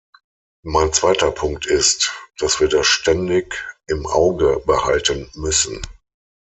Mein zweiter Punkt ist, dass wir das ständig im Auge behalten müssen.